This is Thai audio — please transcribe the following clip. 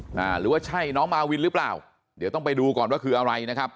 หรือว่าใช่น้องมาวินหรือเปล่าเดี๋ยวต้องไปดูก่อนว่าคืออะไรนะครับ